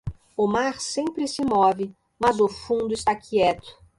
O mar sempre se move, mas o fundo está quieto.